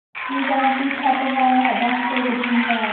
Tuzaan cu thlapa vangah dangte kan dum lai.